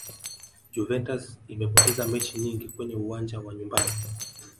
juventus imepoteza mechi nyingi kwenye uwanja wa nyumbani